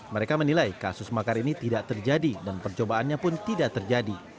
mereka menilai kasus makar ini tidak terjadi dan percobaannya pun tidak terjadi